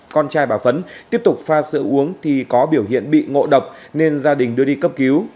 con trai bà phấn tiếp tục pha sữa uống thì có biểu hiện bị ngộ độc nên gia đình đưa đi cấp cứu